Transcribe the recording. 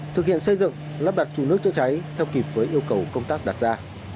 thực hiện xây dựng lắp đặt trụ nước chữa cháy theo kịp với yêu cầu công tác đặt ra